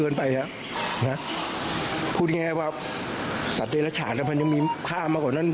เกินไปอ่ะนะพูดยังไงว่าสัตว์เดรัชามันยังมีฆ่ามากกว่านั้น